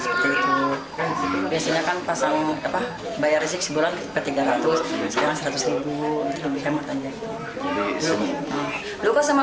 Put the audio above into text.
biasanya kan pasang bayar listrik sebulan ke tiga ratus sekarang seratus lebih hemat aja